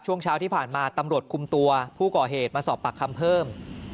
ช่วงเช้าที่ผ่านมาตำรวจคุมตัวผู้ก่อเหตุมาสอบปากคำเพิ่ม